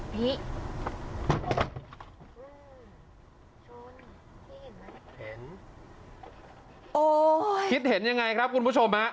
นี่เห็นไหมเห็นโอ้ยคิดเห็นยังไงครับคุณผู้ชมฮะ